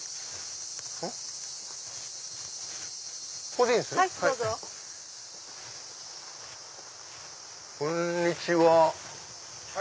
こんにちは！